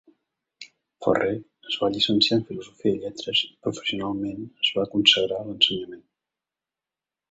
Ferrer es va llicenciar en Filosofia i lletres i professionalment es va consagrar a l'ensenyament.